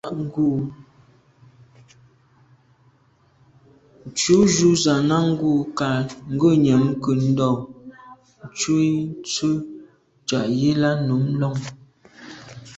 Tshù ju z’a na’ ngù kà ngùnyàm nke ndo’ ntshu i ntswe’ tsha’ yi là num lon.